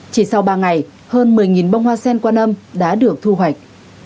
chỉ sau ba ngày hơn một mươi bông hoa sen qua năm đã được thu hoạch